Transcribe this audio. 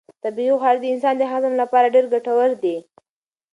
طبیعي خواړه د انسان د هضم لپاره ډېر ګټور دي.